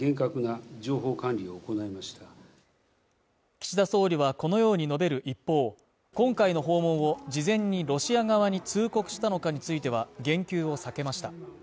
岸田総理はこのように述べる一方、今回の訪問を事前にロシア側に通告したのかについては言及を避けました。